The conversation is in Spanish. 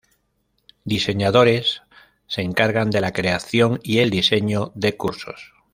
Diseñadores: se encargan de la creación y el diseño de cursos.